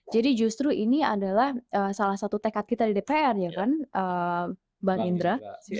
jadi justru ini adalah salah satu tekad kita di dpr ya kan bang indra